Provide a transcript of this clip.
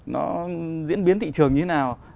nó diễn biến thị trường như thế nào